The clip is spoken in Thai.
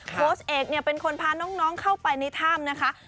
โค้ชเอกเป็นคนพาน้องเข้าไปในท่ามนะคะ